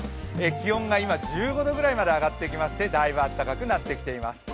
気温が今１５度くらいまで上がってきましてだいぶ暖かくなってきています。